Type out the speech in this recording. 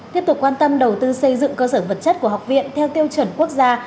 tiếp tục quan tâm đầu tư xây dựng cơ sở vật chất của học viện theo tiêu chuẩn quốc gia